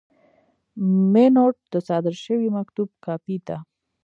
مینوټ د صادر شوي مکتوب کاپي ده.